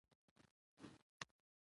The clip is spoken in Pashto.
ځينې وخت داسې فکر کوم .